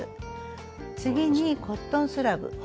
次にコットンスラブ。